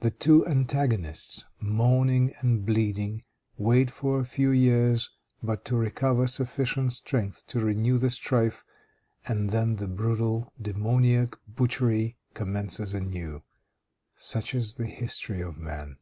The two antagonists, moaning and bleeding, wait for a few years but to recover sufficient strength to renew the strife, and then the brutal, demoniac butchery commences anew. Such is the history of man.